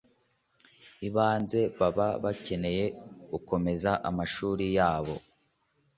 ibanze baba bakeneye gukomeza amashuri yabo